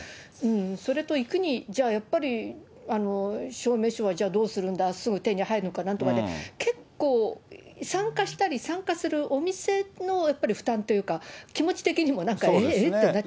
それと行くのに、じゃあやっぱり、証明書はどうするんだ、すぐ手に入るのかなんとかで、結構、参加したり、参加するお店のやっぱり負担というか、気持ち的にもなんか、えっ？えっ？